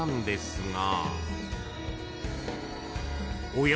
［おや？